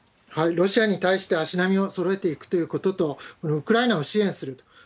ロシアに対して足並みをそろえていくということと、ウクライナを支援すると。